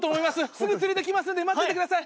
すぐ連れてきますんで待っててください！